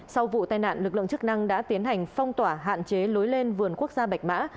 sau vụ tai nạn lực lượng chức năng đã tiến hành phong tỏa hạn chế lối lên vườn quốc gia bạch mã